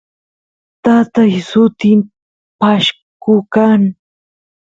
tatay sutin pashku kan